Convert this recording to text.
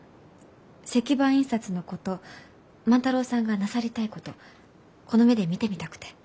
石版印刷のこと万太郎さんがなさりたいことこの目で見てみたくて。